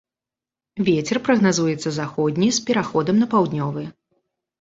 Вецер прагназуецца заходні з пераходам на паўднёвы.